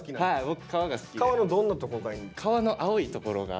川のどんなとこがいいの？